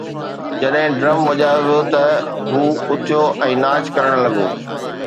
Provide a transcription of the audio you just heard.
جڏهن ڊرم وڄايو ويو ته هو اٿيو ۽ ناچ ڪرڻ لڳو